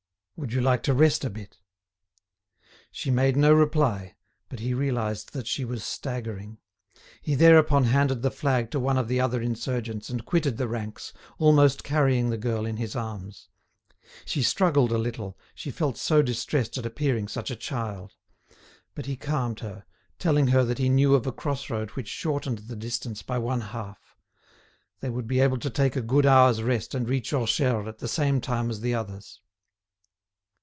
"Would you like to rest a bit?" She made no reply; but he realised that she was staggering. He thereupon handed the flag to one of the other insurgents and quitted the ranks, almost carrying the girl in his arms. She struggled a little, she felt so distressed at appearing such a child. But he calmed her, telling her that he knew of a cross road which shortened the distance by one half. They would be able to take a good hour's rest and reach Orcheres at the same time as the others.